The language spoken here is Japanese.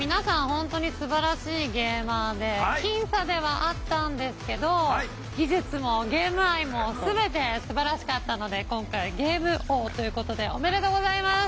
本当にすばらしいゲーマーで僅差ではあったんですけど技術もゲーム愛も全てすばらしかったので今回ゲーム王ということでおめでとうございます！